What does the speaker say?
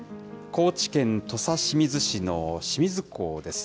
高知県土佐清水市の清水港です。